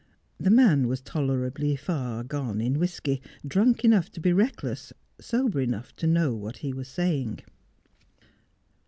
The man was tolerably far gone in whisky, drunk enough to be reckless, sober enough to know what he was saying.